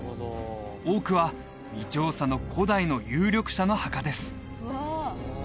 多くは未調査の古代の有力者の墓です